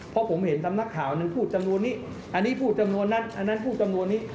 เพราะผมเห็นสำนักข่าวหนึ่งพูดจำนวนนี้อันนี้พูดจำนวนนั้นอันนั้นพูดจำนวนนี้